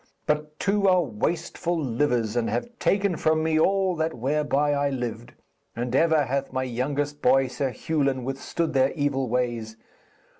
But two are wasteful livers, and have taken from me all that whereby I lived; and ever hath my youngest boy, Sir Hewlin, withstood their evil ways.